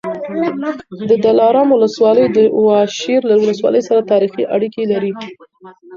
د دلارام ولسوالي د واشېر له ولسوالۍ سره تاریخي اړیکې لري